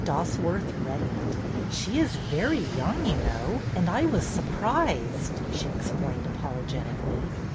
Dosworth reddened. She is very young, you know, and I was surprised," she explained apologetically.